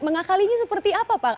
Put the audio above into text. mengakalinya seperti apa pak